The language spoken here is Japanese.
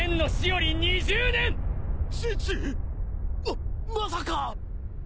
まっまさか！